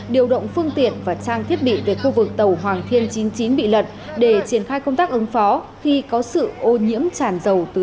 điều động phương tiện và trang thiết bị về khu vực tàu hoàng thiên chín mươi chín bị lật để triển khai công tác ứng phó khi có sự ô nhiễm tràn dầu từ tàu chở hàng này